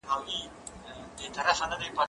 زه اوږده وخت کالي وچوم وم،